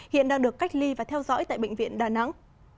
hiện đang được cách ly và theo dõi tại bệnh viện đà nẵng